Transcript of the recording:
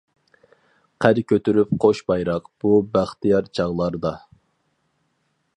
قەد كۆتۈرۈپ قوش بايراق، بۇ بەختىيار چاغلاردا.